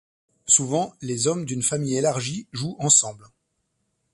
Souvent les hommes d'une famille élargie jouent ensemble.